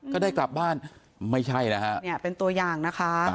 ก็ได้กลับบ้านไม่ใช่นะฮะเนี่ยเป็นตัวอย่างนะคะ